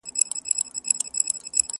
تازه هوا٫